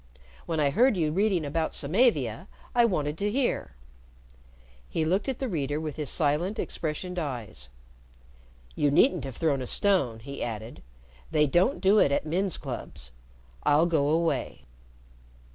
When I heard you reading about Samavia, I wanted to hear." He looked at the reader with his silent expressioned eyes. "You needn't have thrown a stone," he added. "They don't do it at men's clubs. I'll go away."